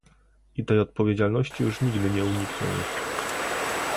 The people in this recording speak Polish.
I tej odpowiedzialności już nigdy nie unikną